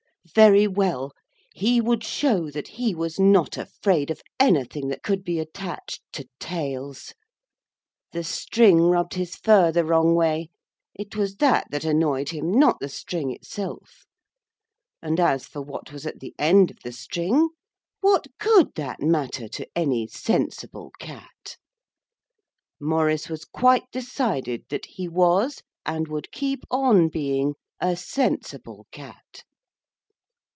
Very well, he would show that he was not afraid of anything that could be attached to tails. The string rubbed his fur the wrong way it was that that annoyed him, not the string itself; and as for what was at the end of the string, what could that matter to any sensible cat? Maurice was quite decided that he was and would keep on being a sensible cat.